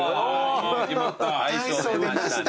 大将出ました。